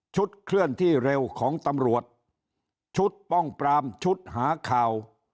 เคลื่อนที่เร็วของตำรวจชุดป้องปรามชุดหาข่าว